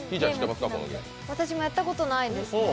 私もやったことないですね。